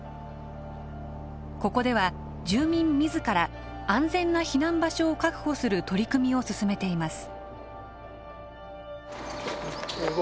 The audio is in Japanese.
ここでは住民自ら安全な避難場所を確保する取り組みを進めています。